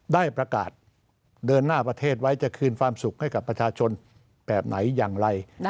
ได้ประกาศเดินหน้าประเทศไว้จะคืนความสุขให้กับประชาชนแบบไหนอย่างไร